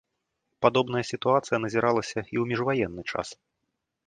Падобная сітуацыя назіралася і ў міжваенны час.